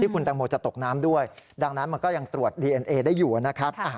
คุณแตงโมจะตกน้ำด้วยดังนั้นมันก็ยังตรวจดีเอ็นเอได้อยู่นะครับ